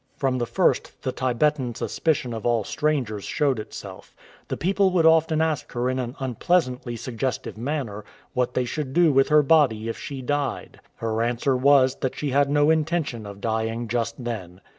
From the first the Tibetan sus picion of all strangers showed itself. The people would often ask her in an unpleasantly suggestive manner what they should do with her body if she died. Her answer was, that she had no intention of dying just then.